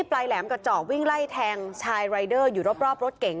ปลายแหลมกระเจาะวิ่งไล่แทงชายรายเดอร์อยู่รอบรถเก๋ง